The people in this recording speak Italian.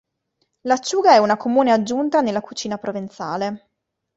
L'acciuga è una comune aggiunta nella cucina provenzale.